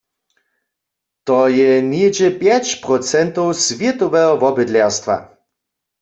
To je něhdźe pjeć procentow swětoweho wobydlerstwa.